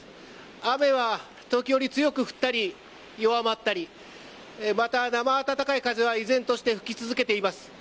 雨は時折、強く降ったり弱まったりまた、生温かい風が依然として吹き続けています。